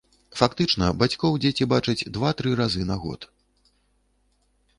Фактычна бацькоў дзеці бачаць два-тры разы на год.